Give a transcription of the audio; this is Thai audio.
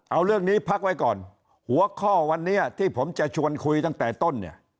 เอาเรื่องนี้พักไว้ก่อนหัวข้อวันนี้ที่ผมจะชวนคุยตั้งแต่ต้นเนี่ย